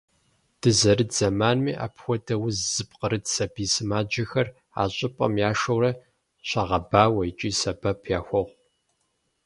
Дызэрыт зэманми, апхуэдэ уз зыпкърыт сабий сымаджэхэр а щӀыпӀэм яшэурэ щагъэбауэ икӀи сэбэп яхуохъу.